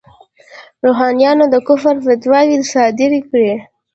روحانیونو د کفر فتواوې صادرې کړې.